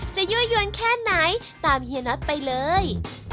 ยั่วยวนแค่ไหนตามเฮียน็อตไปเลย